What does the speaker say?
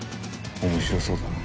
面白そうだな。